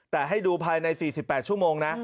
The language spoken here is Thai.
แต่ให้ดูภายใน๔๘ชั่วโมงนะ